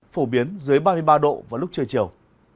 phổ biến dưới ba mươi ba độ vào lúc trưa chiều